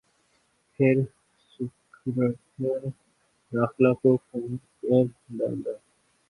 پھر سیکرٹری داخلہ کو فون کر ڈالا۔